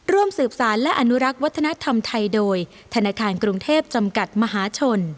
ร่วมสืบสารและอนุรักษ์วัฒนธรรมไทยโดยธนาคารกรุงเทพจำกัดมหาชน